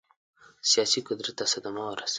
سیاسي قدرت ته صدمه ورسوي.